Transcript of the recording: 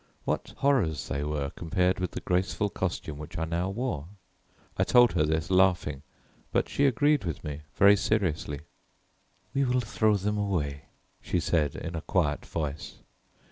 What horrors they were compared with the graceful costume which I now wore! I told her this laughing, but she agreed with me very seriously. "We will throw them away," she said in a quiet voice.